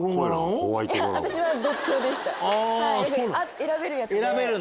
選べるやつで。